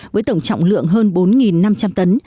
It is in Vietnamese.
với tổng trọng lượng hơn bốn năm trăm linh tấn